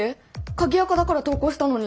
鍵アカだから投稿したのに！